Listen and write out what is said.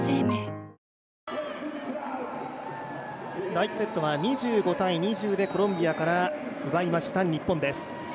第１セットは２５−２０で、コロンビアから奪いました、日本です。